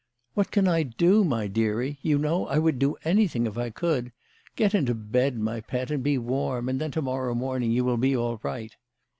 " What can I do, my dearie ? You know I would do anything if I could. Get into bed, my pet, and be warm, and then to morrow morning you will be all right."